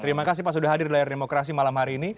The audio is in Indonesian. terima kasih pak sudah hadir di layar demokrasi malam hari ini